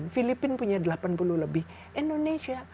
filipina punya delapan puluh lebih indonesia